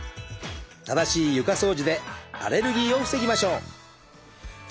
正しい床掃除でアレルギーを防ぎましょう。